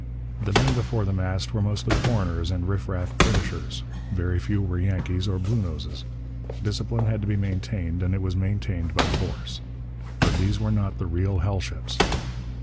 The men before the mast were mostly foreigners and riff raff Britishers; very few were Yankees or Bluenoses. Discipline had to be maintained; and it was maintained by force. But these were not the real hell ships.